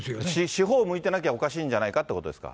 四方を向いてなきゃおかしいんじゃないかってことですか。